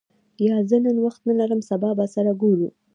یا، زه نن وخت نه لرم سبا به سره ګورو.